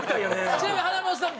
ちなみに華丸さん